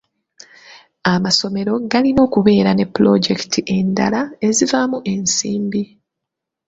Amasomero galina okubeera ne pulojekiti endala ezivaamu ensimbi.